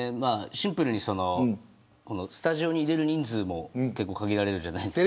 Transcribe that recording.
シンプルにスタジオに入れる人数も限られるじゃないですか。